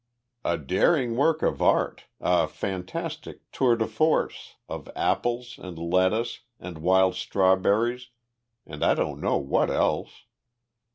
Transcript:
"A daring work of art, a fantastic tour de force, of apples, and lettuce, and wild strawberries, and I don't know what else."